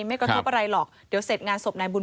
ไม่กระทบอะไรหรอกเดี๋ยวเสร็จงานศพนายบุญ